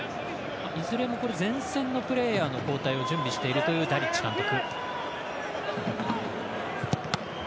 いずれも前線のプレーヤーの交代を準備しているというダリッチ監督。